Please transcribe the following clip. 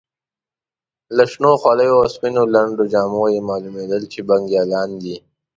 له شنو خولیو او سپینو لنډو جامو یې معلومېدل چې بنګالیان دي.